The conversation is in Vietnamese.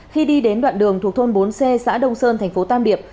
khi đi đến đoạn đường thuộc thôn bốn c xã đông sơn thành phố tam điệp